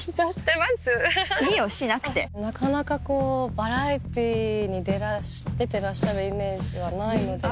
なかなかバラエティーに出てらっしゃるイメージはないので。